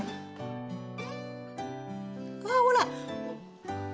ああほら！